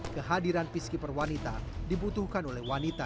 kehadiran peacekeeper wanita dibutuhkan oleh wanita